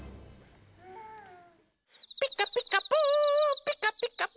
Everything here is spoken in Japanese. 「ピカピカブ！ピカピカブ！」